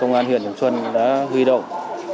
công an huyện trần xuân đã huy động